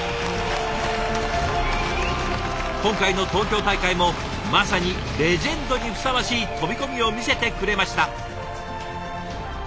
今回の東京大会もまさにレジェンドにふさわしい飛び込みを見せてくれました。